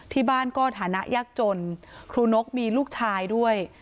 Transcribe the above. ที่บ้านก็ฐานะยากจนครูนกมีลูกชายด้วย